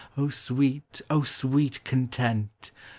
O sweet, O sweet content